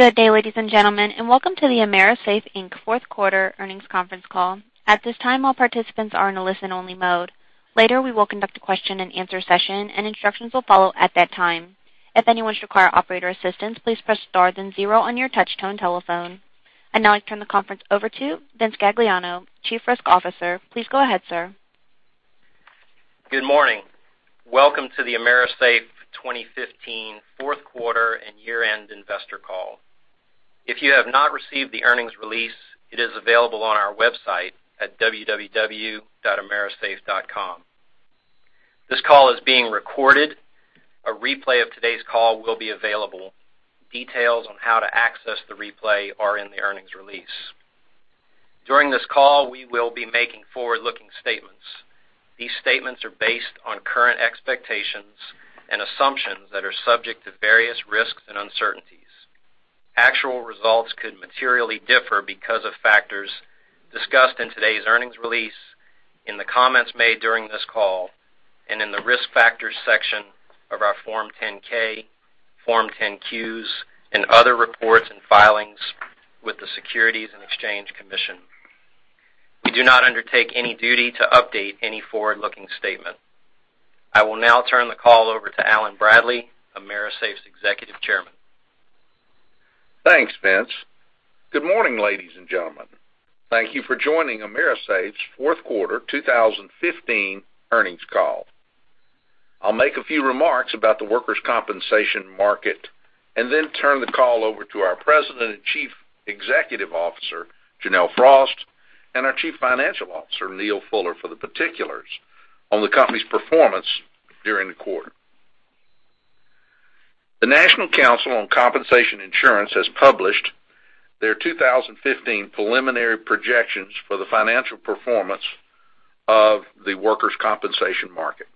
Good day, ladies and gentlemen, and welcome to the AMERISAFE, Inc. fourth quarter earnings conference call. At this time, all participants are in a listen-only mode. Later we will conduct a question-and-answer session and instructions will follow at that time. If anyone should require operator assistance, please press star then zero on your touch-tone telephone. I now turn the conference over to Vince Gagliano, Chief Risk Officer. Please go ahead, sir. Good morning. Welcome to the AMERISAFE 2015 fourth quarter and year-end investor call. If you have not received the earnings release, it is available on our website at www.amerisafe.com. This call is being recorded. A replay of today's call will be available. Details on how to access the replay are in the earnings release. During this call, we will be making forward-looking statements. These statements are based on current expectations and assumptions that are subject to various risks and uncertainties. Actual results could materially differ because of factors discussed in today's earnings release, in the comments made during this call, and in the Risk Factors section of our Form 10-K, Form 10-Qs, and other reports and filings with the Securities and Exchange Commission. We do not undertake any duty to update any forward-looking statement. I will now turn the call over to Allen Bradley, AMERISAFE's Executive Chairman. Thanks, Vince. Good morning, ladies and gentlemen. Thank you for joining AMERISAFE's fourth quarter 2015 earnings call. I'll make a few remarks about the workers' compensation market. Then turn the call over to our President and Chief Executive Officer, Janelle Frost, and our Chief Financial Officer, Neal Fuller, for the particulars on the company's performance during the quarter. The National Council on Compensation Insurance has published their 2015 preliminary projections for the financial performance of the workers' compensation market.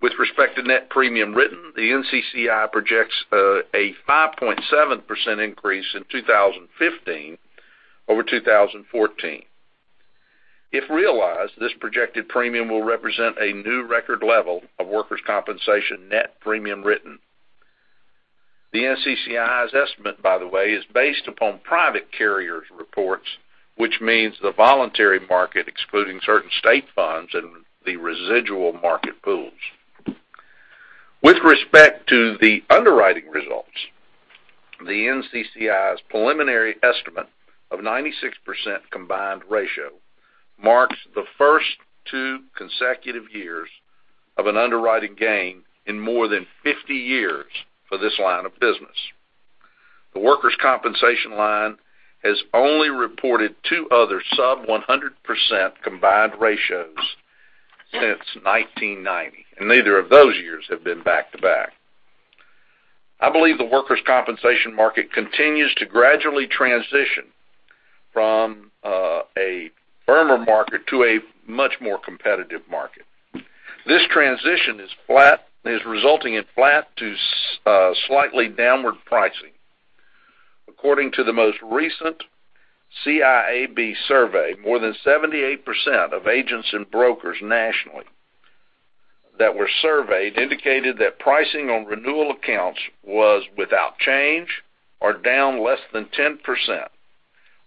With respect to net premiums written, the NCCI projects a 5.7% increase in 2015 over 2014. If realized, this projected premium will represent a new record level of workers' compensation net premiums written. The NCCI's estimate, by the way, is based upon private carriers' reports, which means the voluntary market, excluding certain state funds and the residual market pools. With respect to the underwriting results, the NCCI's preliminary estimate of 96% combined ratio marks the first two consecutive years of an underwriting gain in more than 50 years for this line of business. The workers' compensation line has only reported two other sub 100% combined ratios since 1990. Neither of those years have been back to back. I believe the workers' compensation market continues to gradually transition from a firmer market to a much more competitive market. This transition is resulting in flat to slightly downward pricing. According to the most recent CIAB survey, more than 78% of agents and brokers nationally that were surveyed indicated that pricing on renewal accounts was without change or down less than 10%,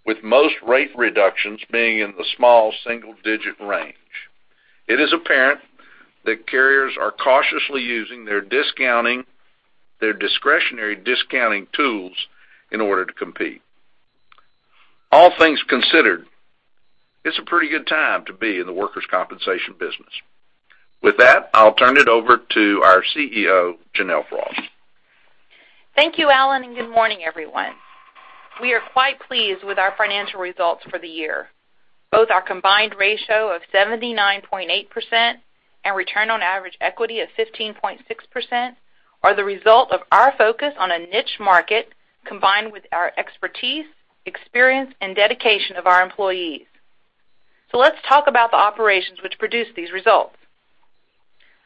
with most rate reductions being in the small single-digit range. It is apparent that carriers are cautiously using their discretionary discounting tools in order to compete. All things considered, it's a pretty good time to be in the workers' compensation business. With that, I'll turn it over to our CEO, Janelle Frost. Thank you, Allen, and good morning, everyone. We are quite pleased with our financial results for the year. Both our combined ratio of 79.8% and return on average equity of 15.6% are the result of our focus on a niche market, combined with our expertise, experience, and dedication of our employees. Let's talk about the operations which produce these results.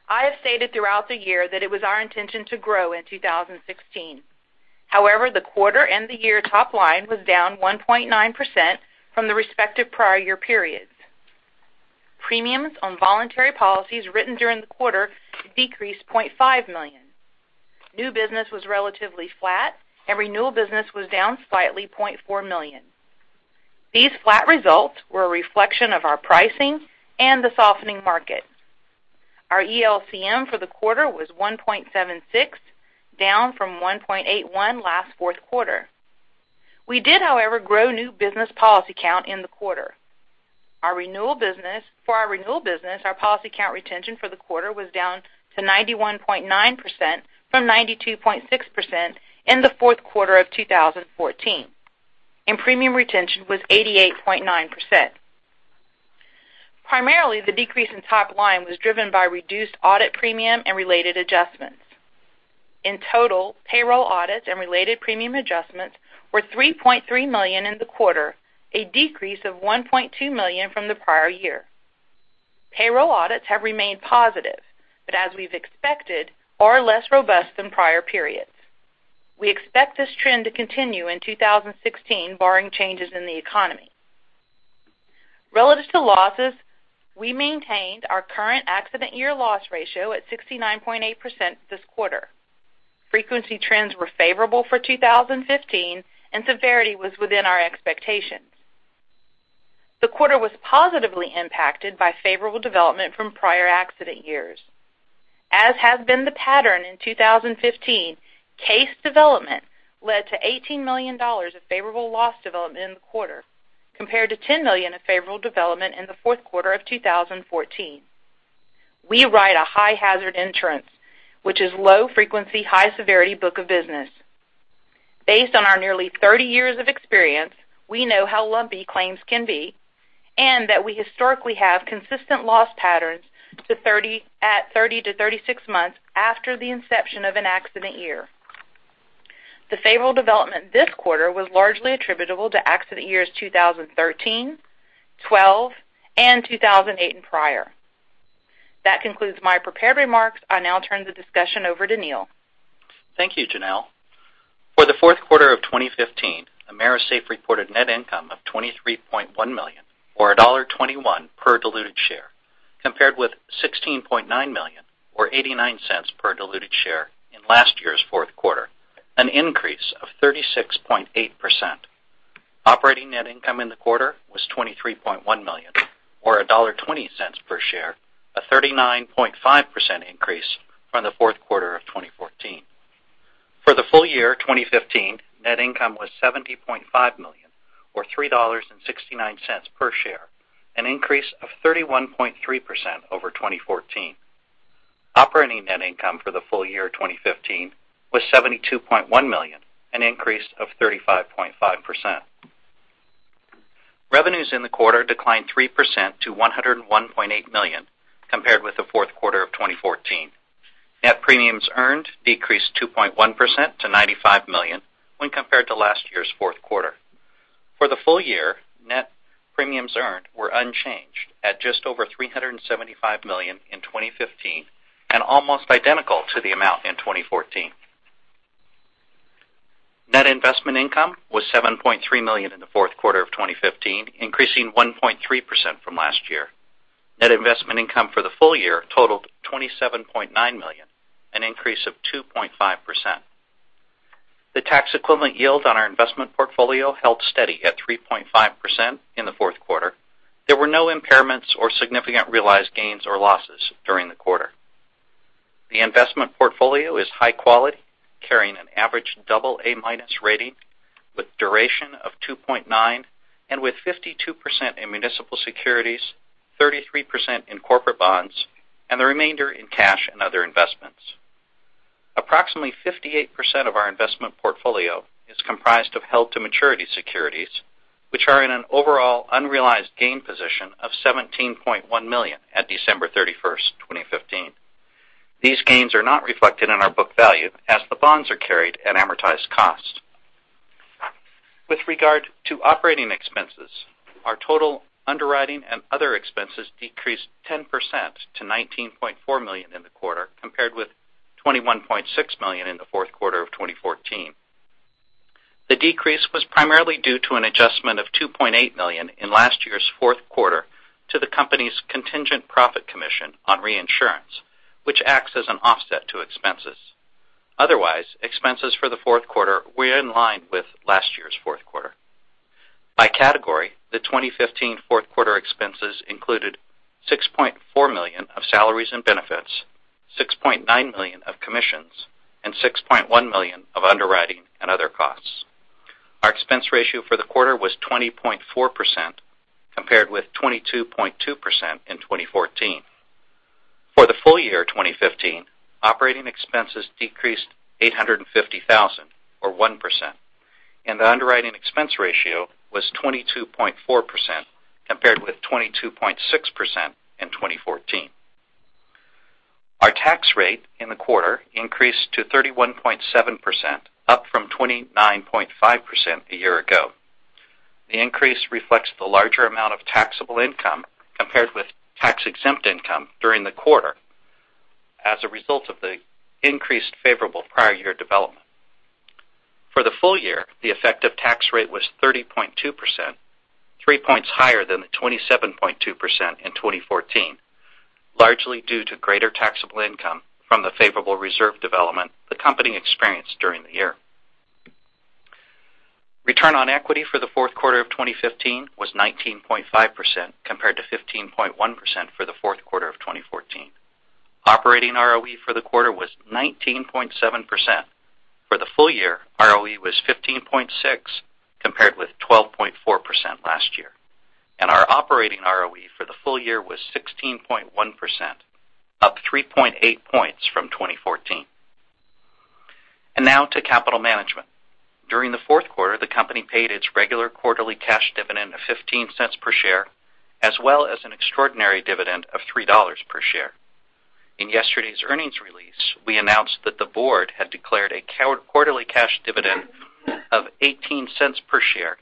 I have stated throughout the year that it was our intention to grow in 2016. However, the quarter and the year top line was down 1.9% from the respective prior year periods. Premiums on voluntary policies written during the quarter decreased $0.5 million. New business was relatively flat and renewal business was down slightly $0.4 million. These flat results were a reflection of our pricing and the softening market. Our ELCM for the quarter was 1.76, down from 1.81 last fourth quarter. We did, however, grow new business policy count in the quarter. For our renewal business, our policy count retention for the quarter was down to 91.9% from 92.6% in the fourth quarter of 2014, and premium retention was 88.9%. Primarily, the decrease in top line was driven by reduced audit premium and related adjustments. In total, payroll audits and related premium adjustments were $3.3 million in the quarter, a decrease of $1.2 million from the prior year. Payroll audits have remained positive, but as we've expected, are less robust than prior periods. We expect this trend to continue in 2016, barring changes in the economy. Relative to losses, we maintained our current accident year loss ratio at 69.8% this quarter. Frequency trends were favorable for 2015, and severity was within our expectations. The quarter was positively impacted by favorable development from prior accident years. As has been the pattern in 2015, case development led to $18 million of favorable loss development in the quarter, compared to $10 million of favorable development in the fourth quarter of 2014. We write a high hazard insurance, which is low frequency, high severity book of business. Based on our nearly 30 years of experience, we know how lumpy claims can be and that we historically have consistent loss patterns at 30-36 months after the inception of an accident year. The favorable development this quarter was largely attributable to accident years 2013, 2012, and 2008 and prior. That concludes my prepared remarks. I now turn the discussion over to Neal. Thank you, Janelle. For the fourth quarter of 2015, AMERISAFE reported net income of $23.1 million, or $1.21 per diluted share, compared with $16.9 million or $0.89 per diluted share in last year's fourth quarter, an increase of 36.8%. Operating net income in the quarter was $23.1 million, or $1.20 per share, a 39.5% increase from the fourth quarter of 2014. For the full year 2015, net income was $70.5 million, or $3.69 per share, an increase of 31.3% over 2014. Operating net income for the full year 2015 was $72.1 million, an increase of 35.5%. Revenues in the quarter declined 3% to $101.8 million compared with the fourth quarter of 2014. Net premiums earned decreased 2.1% to $95 million when compared to last year's fourth quarter. For the full year, net premiums earned were unchanged at just over $375 million in 2015 and almost identical to the amount in 2014. Net investment income was $7.3 million in the fourth quarter of 2015, increasing 1.3% from last year. Net investment income for the full year totaled $27.9 million, an increase of 2.5%. The tax equivalent yield on our investment portfolio held steady at 3.5% in the fourth quarter. There were no impairments or significant realized gains or losses during the quarter. The investment portfolio is high quality, carrying an average AA- rating with duration of 2.9 and with 52% in municipal securities, 33% in corporate bonds, and the remainder in cash and other investments. Approximately 58% of our investment portfolio is comprised of held to maturity securities, which are in an overall unrealized gain position of $17.1 million at December 31st, 2015. These gains are not reflected in our book value as the bonds are carried at amortized cost. With regard to operating expenses, our total underwriting and other expenses decreased 10% to $19.4 million in the quarter, compared with $21.6 million in the fourth quarter of 2014. The decrease was primarily due to an adjustment of $2.8 million in last year's fourth quarter to the company's contingent profit commission on reinsurance, which acts as an offset to expenses. Otherwise, expenses for the fourth quarter were in line with last year's fourth quarter. By category, the 2015 fourth quarter expenses included $6.4 million of salaries and benefits, $6.9 million of commissions, and $6.1 million of underwriting and other costs. Our expense ratio for the quarter was 20.4%, compared with 22.2% in 2014. For the full year 2015, operating expenses decreased $850,000, or 1%, and the underwriting expense ratio was 22.4%, compared with 22.6% in 2014. Our tax rate in the quarter increased to 31.7%, up from 29.5% a year ago. The increase reflects the larger amount of taxable income compared with tax-exempt income during the quarter as a result of the increased favorable prior year development. For the full year, the effective tax rate was 30.2%, 3 points higher than the 27.2% in 2014, largely due to greater taxable income from the favorable reserve development the company experienced during the year. Return on equity for the fourth quarter of 2015 was 19.5%, compared to 15.1% for the fourth quarter of 2014. Operating ROE for the quarter was 19.7%. For the full year, ROE was 15.6%, compared with 12.4% last year. Our operating ROE for the full year was 16.1%, up 3.8 points from 2014. Now to capital management. During the fourth quarter, the company paid its regular quarterly cash dividend of $0.15 per share, as well as an extraordinary dividend of $3 per share. In yesterday's earnings release, we announced that the board had declared a quarterly cash dividend of $0.18 per share,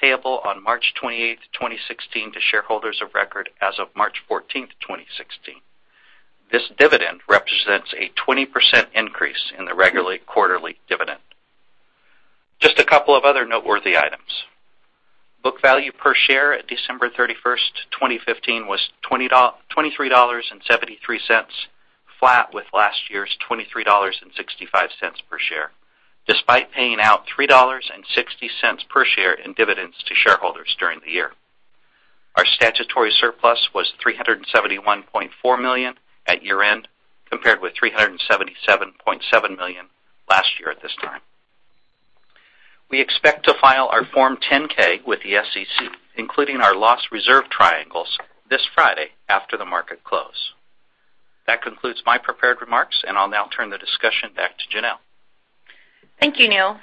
payable on March 28th, 2016 to shareholders of record as of March 14th, 2016. This dividend represents a 20% increase in the regular quarterly dividend. Just a couple of other noteworthy items. Book value per share at December 31st, 2015 was $23.73, flat with last year's $23.65 per share, despite paying out $3.60 per share in dividends to shareholders during the year. Our statutory surplus was $371.4 million at year-end, compared with $377.7 million last year at this time. We expect to file our Form 10-K with the SEC, including our loss reserve triangles this Friday after the market close. That concludes my prepared remarks, I'll now turn the discussion back to Janelle. Thank you, Neal.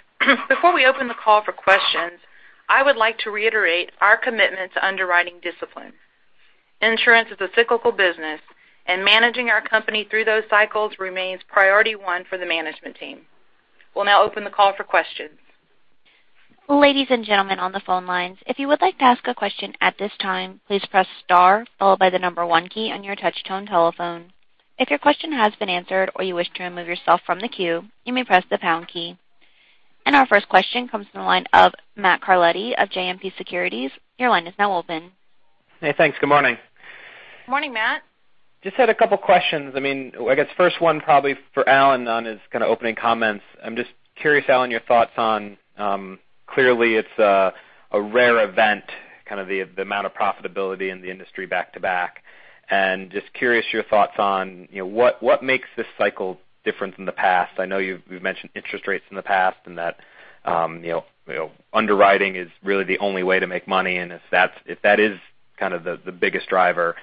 Before we open the call for questions, I would like to reiterate our commitment to underwriting discipline. Insurance is a cyclical business, and managing our company through those cycles remains priority 1 for the management team. We'll now open the call for questions. Ladies and gentlemen on the phone lines, if you would like to ask a question at this time, please press star, followed by the number 1 key on your touchtone telephone. If your question has been answered or you wish to remove yourself from the queue, you may press the pound key. Our first question comes from the line of Matt Carletti of JMP Securities. Your line is now open. Hey, thanks. Good morning. Morning, Matt. Just had a couple questions. I guess first one probably for Allen on his kind of opening comments. I'm just curious, Allen, your thoughts on clearly it's a rare event, kind of the amount of profitability in the industry back-to-back, and just curious your thoughts on what makes this cycle different from the past. I know you've mentioned interest rates in the past and that underwriting is really the only way to make money, if that is kind of the biggest driver,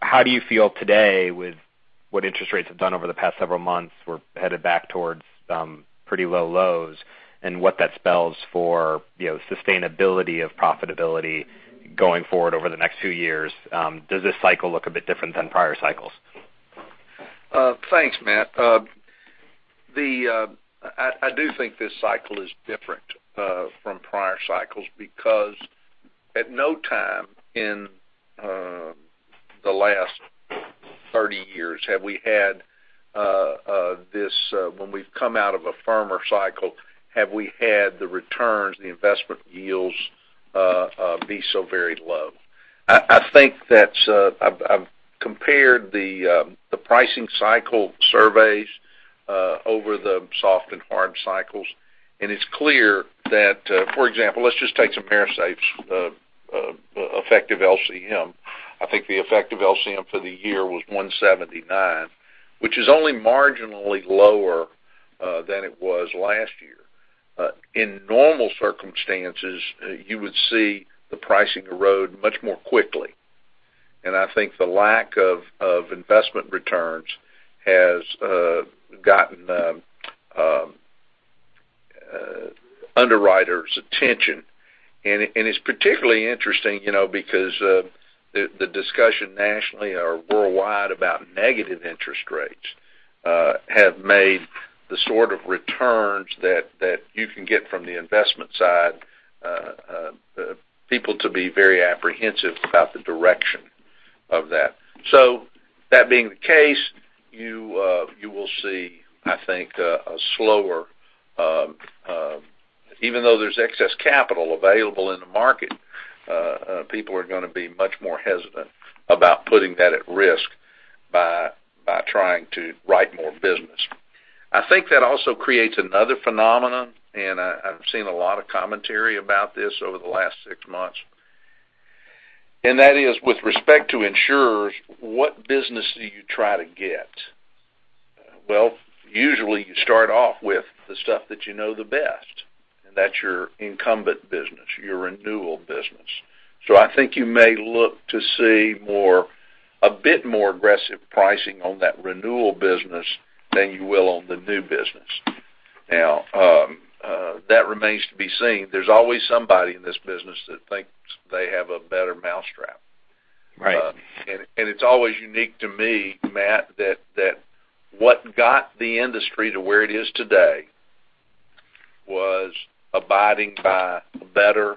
how do you feel today with what interest rates have done over the past several months were headed back towards pretty low lows and what that spells for sustainability of profitability going forward over the next few years? Does this cycle look a bit different than prior cycles? Thanks, Matt. I do think this cycle is different from prior cycles because at no time in the last 30 years have we had When we've come out of a firmer cycle, have we had the returns, the investment yields be so very low. I've compared the pricing cycle surveys over the soft and hard cycles, and it's clear that, for example, let's just take some AMERISAFE's effective LCM. I think the effective LCM for the year was 179, which is only marginally lower than it was last year. In normal circumstances, you would see the pricing erode much more quickly. I think the lack of investment returns has gotten underwriters' attention. It's particularly interesting because the discussion nationally or worldwide about negative interest rates have made the sort of returns that you can get from the investment side people to be very apprehensive about the direction of that. That being the case, you will see, I think, a slower even though there's excess capital available in the market, people are going to be much more hesitant about putting that at risk by trying to write more business. I think that also creates another phenomenon, and I've seen a lot of commentary about this over the last six months, and that is with respect to insurers, what business do you try to get? Usually you start off with the stuff that you know the best, and that's your incumbent business, your renewal business. I think you may look to see a bit more aggressive pricing on that renewal business than you will on the new business. That remains to be seen. There's always somebody in this business that thinks they have a better mousetrap. Right. It's always unique to me, Matt, that what got the industry to where it is today was abiding by better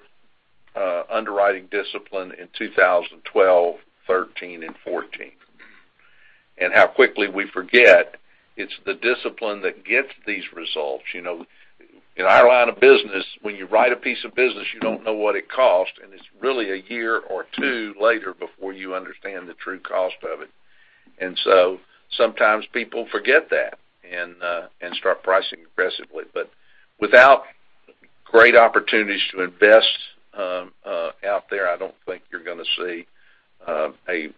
underwriting discipline in 2012, 2013, and 2014. How quickly we forget it's the discipline that gets these results. In our line of business, when you write a piece of business, you don't know what it costs, and it's really a year or two later before you understand the true cost of it. Sometimes people forget that and start pricing aggressively. Without great opportunities to invest out there, I don't think you're going to see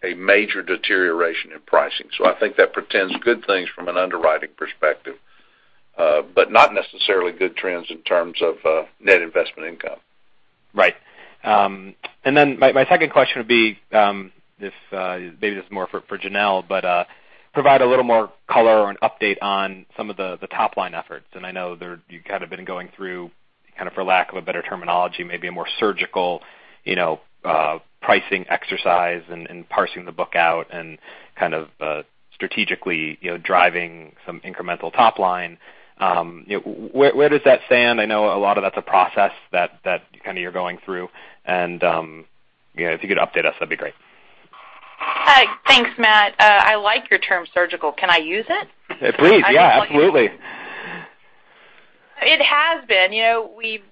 a major deterioration in pricing. I think that portends good things from an underwriting perspective, but not necessarily good trends in terms of net investment income. Right. My second question would be, maybe this is more for Janelle, but provide a little more color or an update on some of the top-line efforts. I know you kind of been going through kind of, for lack of a better terminology, maybe a more surgical pricing exercise and parsing the book out and kind of strategically driving some incremental top line. Where does that stand? I know a lot of that's a process that kind of you're going through, and if you could update us, that'd be great. Hi. Thanks, Matt. I like your term surgical. Can I use it? Please. Yeah, absolutely. It has been.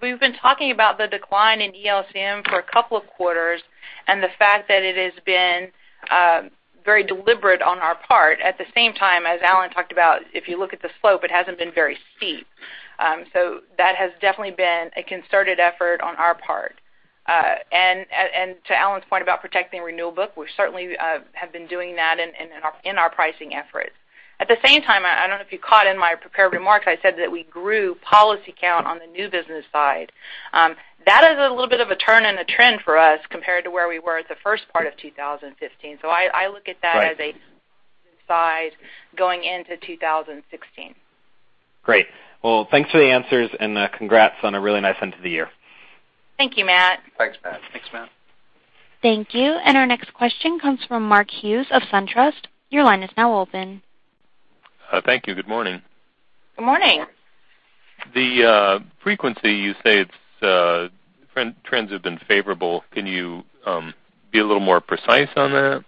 We've been talking about the decline in ELCM for a couple of quarters and the fact that it has been very deliberate on our part. At the same time, as Allen talked about, if you look at the slope, it hasn't been very steep. That has definitely been a concerted effort on our part. To Allen's point about protecting renewal book, we certainly have been doing that in our pricing efforts. At the same time, I don't know if you caught in my prepared remarks, I said that we grew policy count on the new business side. That is a little bit of a turn in the trend for us compared to where we were at the first part of 2015. I look at that as a side going into 2016. Great. Well, thanks for the answers and congrats on a really nice end to the year. Thank you, Matt. Thanks, Matt. Thanks, Matt. Thank you. Our next question comes from Mark Hughes of SunTrust. Your line is now open. Thank you. Good morning. Good morning. The frequency you say trends have been favorable. Can you be a little more precise on that?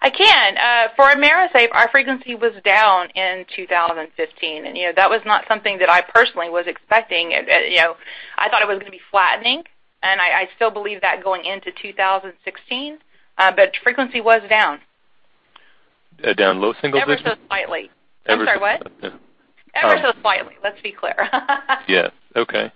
I can. For AMERISAFE, our frequency was down in 2015, and that was not something that I personally was expecting. I thought it was going to be flattening, and I still believe that going into 2016. Frequency was down. Down low single digits? Ever so slightly. Ever so slightly. I'm sorry, what? Ever so slightly. Let's be clear. Yes. Okay.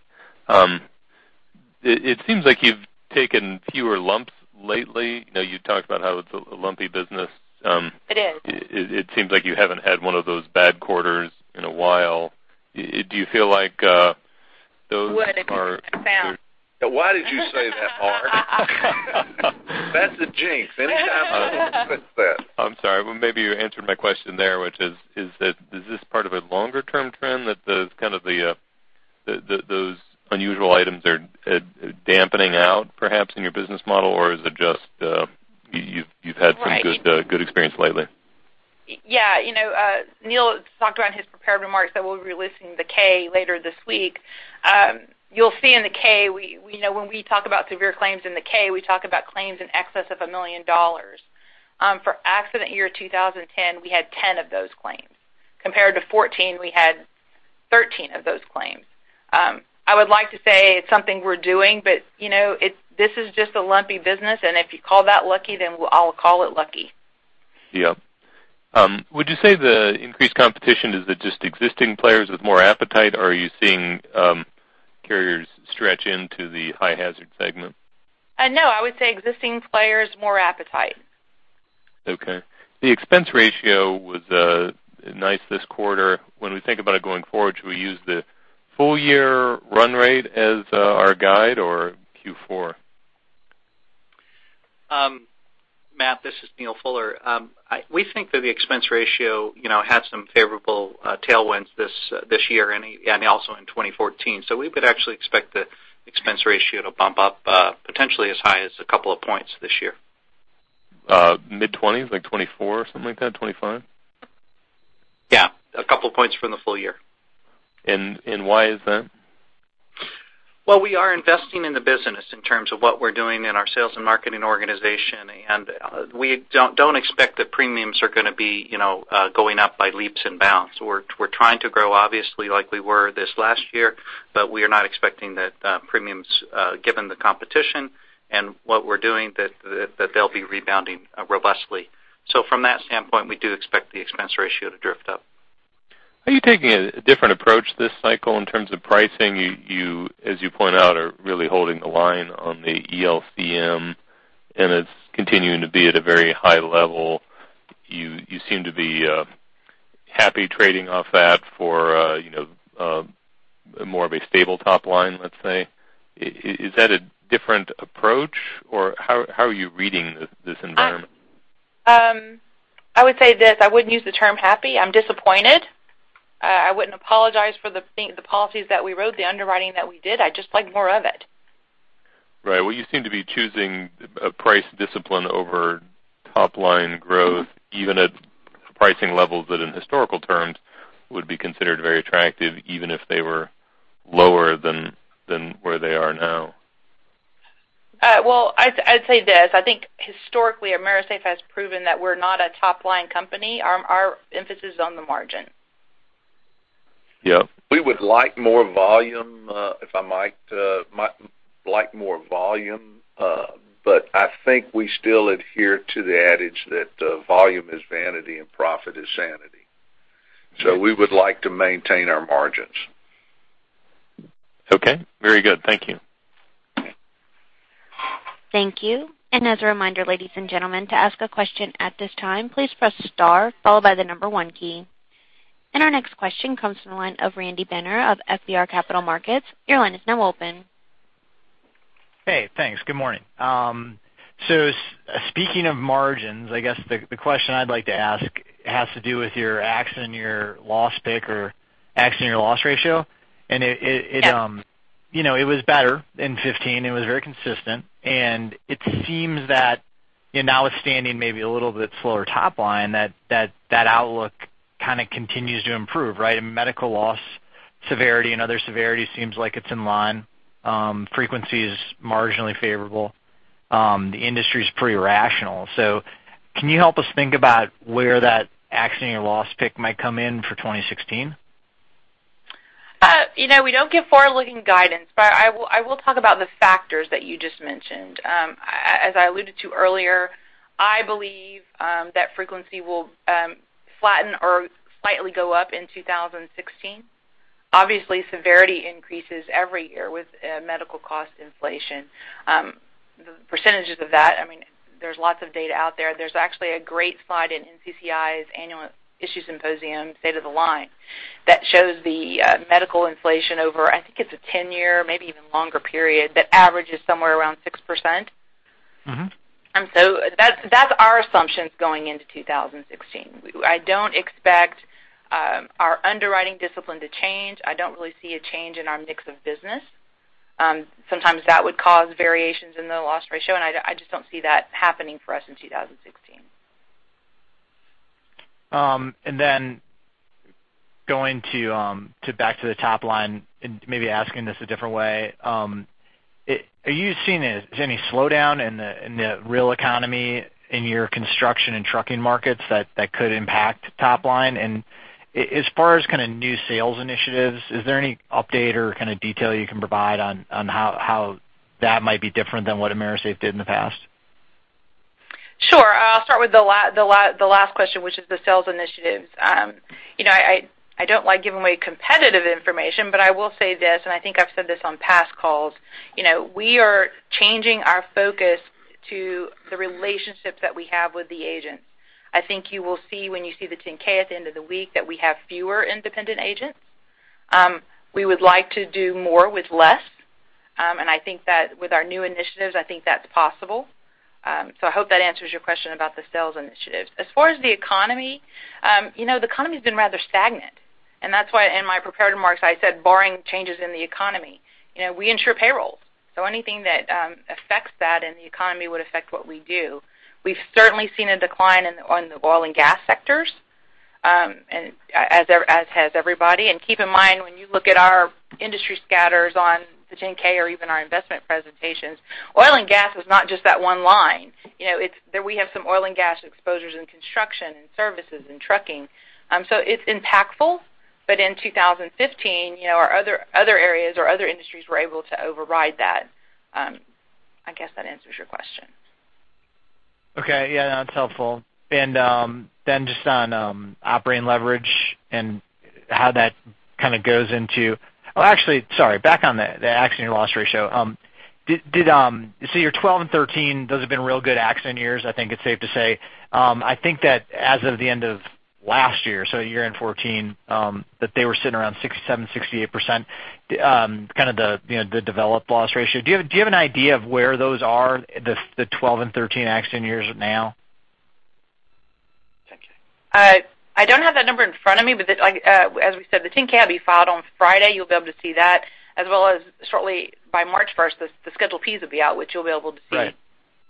It seems like you've taken fewer lumps lately. You talked about how it's a lumpy business. It is. It seems like you haven't had one of those bad quarters in a while. Do you feel like those are- What did you just say? Why did you say that, Mark? That's a jinx. Anytime someone says that. I'm sorry. Well, maybe you answered my question there, which is that, is this part of a longer term trend that those unusual items are dampening out, perhaps, in your business model? Or is it just you've had some good experience lately? Yeah. Neal talked about in his prepared remarks that we'll be releasing the K later this week. You'll see in the K, when we talk about severe claims in the K, we talk about claims in excess of $1 million. For accident year 2010, we had 10 of those claims. Compared to 2014, we had 13 of those claims. I would like to say it's something we're doing, but this is just a lumpy business, and if you call that lucky, then I'll call it lucky. Yep. Would you say the increased competition is the just existing players with more appetite, or are you seeing carriers stretch into the high hazard segment? No, I would say existing players, more appetite. Okay. The expense ratio was nice this quarter. When we think about it going forward, should we use the full year run rate as our guide or Q4? Matt, this is Neal Fuller. We think that the expense ratio had some favorable tailwinds this year and also in 2014. We would actually expect the expense ratio to bump up potentially as high as a couple of points this year. Mid 20s, like 24 or something like that, 25? Yeah, a couple points from the full year. Why is that? Well, we are investing in the business in terms of what we're doing in our sales and marketing organization, and we don't expect that premiums are going to be going up by leaps and bounds. We're trying to grow, obviously, like we were this last year, we are not expecting that premiums, given the competition and what we're doing, that they'll be rebounding robustly. From that standpoint, we do expect the expense ratio to drift up. Are you taking a different approach this cycle in terms of pricing? You, as you point out, are really holding the line on the ELCM, and it's continuing to be at a very high level. You seem to be happy trading off that for more of a stable top line, let's say. Is that a different approach, or how are you reading this environment? I would say this, I wouldn't use the term happy. I'm disappointed. I wouldn't apologize for the policies that we wrote, the underwriting that we did. I'd just like more of it. Right. Well, you seem to be choosing a price discipline over top-line growth, even at pricing levels that in historical terms would be considered very attractive, even if they were lower than where they are now. Well, I'd say this. I think historically, AMERISAFE has proven that we're not a top-line company. Our emphasis is on the margin. Yep. We would like more volume. If I might, like more volume, I think we still adhere to the adage that volume is vanity and profit is sanity. We would like to maintain our margins. Okay. Very good. Thank you. Thank you. As a reminder, ladies and gentlemen, to ask a question at this time, please press star followed by the number one key. Our next question comes from the line of Randy Binner of FBR Capital Markets. Your line is now open. Hey, thanks. Good morning. Speaking of margins, I guess the question I'd like to ask has to do with your accident year loss pick or accident year loss ratio. Yep. It was better in 2015. It was very consistent. It seems that notwithstanding maybe a little bit slower top line, that outlook kind of continues to improve, right? I mean, medical loss severity and other severity seems like it's in line. Frequency is marginally favorable. The industry's pretty rational. Can you help us think about where that accident year loss pick might come in for 2016? We don't give forward-looking guidance. I will talk about the factors that you just mentioned. As I alluded to earlier, I believe that frequency will flatten or slightly go up in 2016. Obviously, severity increases every year with medical cost inflation. The percentages of that, there's lots of data out there. There's actually a great slide in NCCI's Annual Issues Symposium, State of the Line, that shows the medical inflation over, I think it's a 10-year, maybe even longer period, that averages somewhere around 6%. That's our assumptions going into 2016. I don't expect our underwriting discipline to change. I don't really see a change in our mix of business. Sometimes that would cause variations in the loss ratio. I just don't see that happening for us in 2016. Going back to the top line and maybe asking this a different way, are you seeing any slowdown in the real economy in your construction and trucking markets that could impact top line? As far as kind of new sales initiatives, is there any update or kind of detail you can provide on how that might be different than what AMERISAFE did in the past? Sure. I'll start with the last question, which is the sales initiatives. I don't like giving away competitive information. I will say this. I think I've said this on past calls. We are changing our focus to the relationships that we have with the agents. I think you will see when you see the 10-K at the end of the week that we have fewer independent agents. We would like to do more with less. I think that with our new initiatives, I think that's possible. I hope that answers your question about the sales initiatives. As far as the economy, the economy's been rather stagnant. That's why in my prepared remarks, I said barring changes in the economy. We insure payrolls. Anything that affects that in the economy would affect what we do. We've certainly seen a decline on the oil and gas sectors, as has everybody. Keep in mind, when you look at our industry scatters on the 10-K or even our investment presentations, oil and gas is not just that one line. We have some oil and gas exposures in construction and services and trucking. It's impactful, but in 2015, our other areas or other industries were able to override that. I guess that answers your question. Okay. Yeah, that's helpful. Then just on operating leverage and how that kind of goes into Oh, actually, sorry, back on the accident year loss ratio. Your 2012 and 2013, those have been real good accident years, I think it's safe to say. I think that as of the end of last year-end 2014, that they were sitting around 67%, 68%, kind of the developed loss ratio. Do you have an idea of where those are, the 2012 and 2013 accident years now? I don't have that number in front of me, but as we said, the 10-K will be filed on Friday. You'll be able to see that as well as shortly by March 1st, the Schedule Ps will be out, which you'll be able to see- Right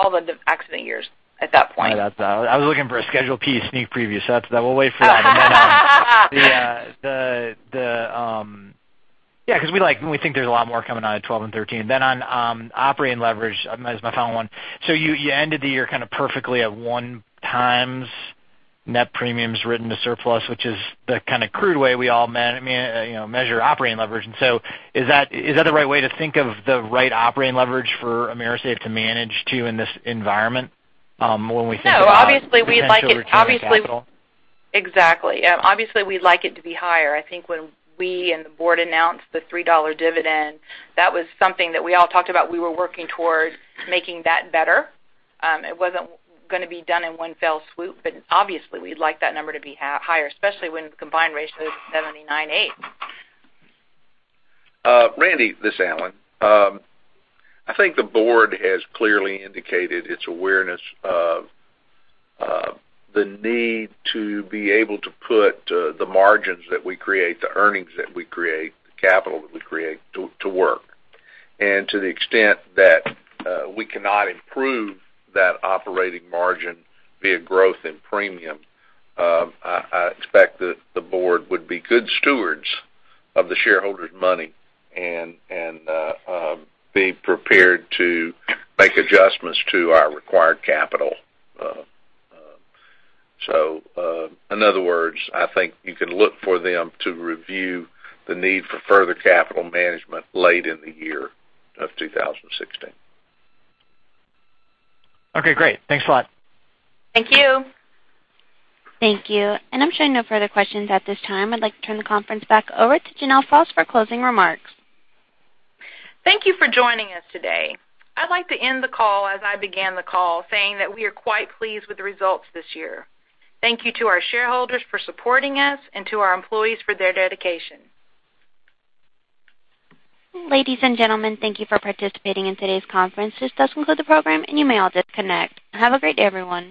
all the accident years at that point. I was looking for a Schedule P sneak preview. We'll wait for that. Yeah, because we think there's a lot more coming out of 2012 and 2013. On operating leverage, as my final one. You ended the year kind of perfectly at one times net premiums written to surplus, which is the kind of crude way we all measure operating leverage. Is that the right way to think of the right operating leverage for AMERISAFE to manage to in this environment? When we think about- No, obviously we'd like it- potential returning capital. Exactly. Obviously, we'd like it to be higher. I think when we and the board announced the $3 dividend, that was something that we all talked about. We were working towards making that better. It wasn't going to be done in one fell swoop, but obviously, we'd like that number to be higher, especially when the combined ratio is 79.8. Randy, this is Allen. I think the board has clearly indicated its awareness of the need to be able to put the margins that we create, the earnings that we create, the capital that we create to work. To the extent that we cannot improve that operating margin via growth in premium, I expect that the board would be good stewards of the shareholders' money and be prepared to make adjustments to our required capital. In other words, I think you can look for them to review the need for further capital management late in the year of 2016. Okay, great. Thanks a lot. Thank you. Thank you. I'm showing no further questions at this time. I'd like to turn the conference back over to Janelle Frost for closing remarks. Thank you for joining us today. I'd like to end the call as I began the call, saying that we are quite pleased with the results this year. Thank you to our shareholders for supporting us and to our employees for their dedication. Ladies and gentlemen, thank you for participating in today's conference. This does conclude the program, and you may all disconnect. Have a great day, everyone.